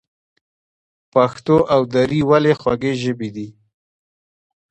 پښتو او دري ولې خوږې ژبې دي؟